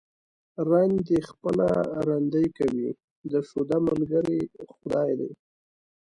رند دي خپله رندي کوي ، د شوده ملگرى خداى دى.